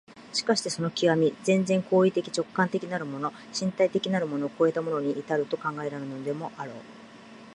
しかしてその極、全然行為的直観的なるもの、身体的なるものを越えたものに到ると考えられるでもあろう。